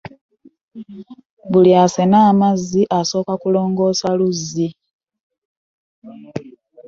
Buli asena amazzi asooka kulongoosa luzzi.